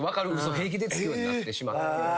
平気でつくようになってしまって。